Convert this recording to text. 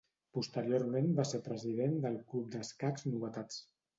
Posteriorment va ser president del Club d'Escacs Novetats.